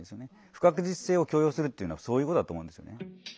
不確実性。というのはそういうことだと思うんですよね。